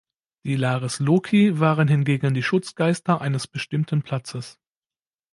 Die Lares Loci waren hingegen die Schutzgeister eines bestimmten Platzes.